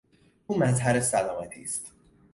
او مظهر سلامتی است.